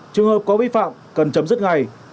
trường hợp có vi phạm cần chấm dứt ngay